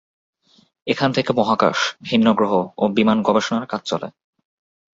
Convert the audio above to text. এখান থেকে মহাকাশ, ভিন্ন গ্রহ ও বিমান গবেষণার কাজ চলে।